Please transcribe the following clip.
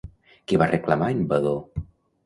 Què va exclamar en Vadó?